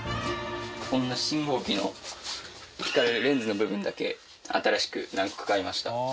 こんな信号機の光るレンズの部分だけ新しく何個か買いました。